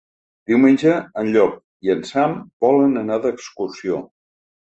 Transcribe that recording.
Diumenge en Llop i en Sam volen anar d'excursió.